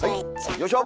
よいしょ！